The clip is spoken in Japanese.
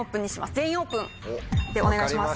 「全員オープン」でお願いします。